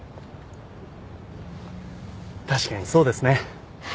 確かにそうですね。